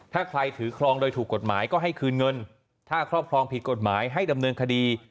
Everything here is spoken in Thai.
ถ้าใครถือครองโดยถูกกฎหมายก็ให้คืนเงินถ้าครอบครองผิดกฎหมายให้ดำเนินคดี